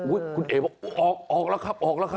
อุ๊ยคุณเอ๋ออกแล้วครับแล้วครับ